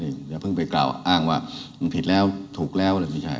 อย่าเพิ่งไปกล่าวอ้างว่ามันผิดแล้วถูกแล้วเลยไม่ใช่